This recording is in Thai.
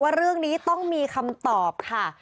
ว่าเรื่องนี้ต้องมีคำตอบค่ะ